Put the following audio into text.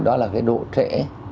đó là cái độ trễ